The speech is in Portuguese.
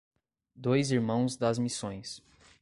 Dois Irmãos das Missões